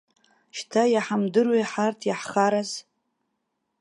Шьҭа иҳамдыруеи ҳарҭ иаҳхараз.